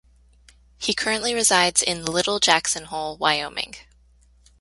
He currently resides in Little Jackson Hole, Wyoming.